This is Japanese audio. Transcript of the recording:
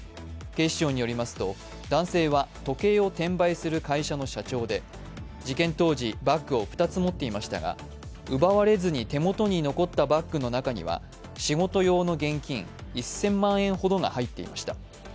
警視庁によりますと、男性は時計を転売する会社の社長で事件当時、バッグを２つ持っていましたが、奪われずに手元に残ったバッグの中には仕事用の現金１０００万円ほどが入っていました。